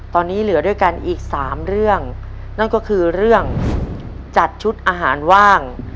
ตอนนี้เหลือด้วยกันอีกสามเรื่องนั่นก็คือเรื่องจัดชุดอาหารว่าง